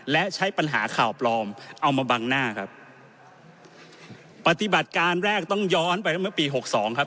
และใช้ปัญหาข่าวปลอมเอามาบังหน้าครับปฏิบัติการแรกต้องย้อนไปเมื่อปีหกสองครับ